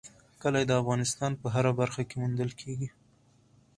کلي د افغانستان په هره برخه کې موندل کېږي.